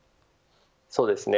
そうですね。